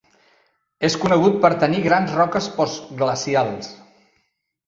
És conegut per tenir grans roques postglacials.